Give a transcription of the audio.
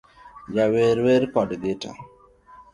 Jawer wer kod gita